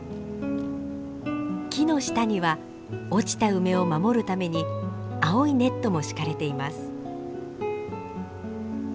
木の下には落ちた梅を守るために青いネットも敷かれています。